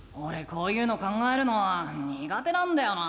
こういうの考えるのはにが手なんだよな。